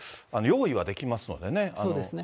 用意はできますのでね。